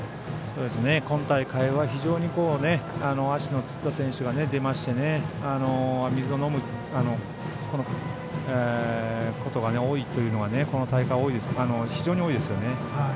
今大会は非常に足のつった選手が出まして水を飲むことがこの大会、非常に多いですよね。